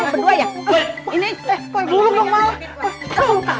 eh dulu dong mau